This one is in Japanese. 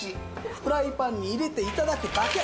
フライパンに入れて頂くだけ。